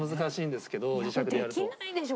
できないでしょ